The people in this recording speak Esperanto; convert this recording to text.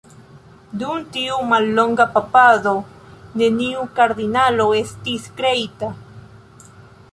Dum tiu mallonga papado neniu kardinalo estis kreita.